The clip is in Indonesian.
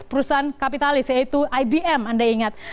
perusahaan kapitalis yaitu ibm anda ingat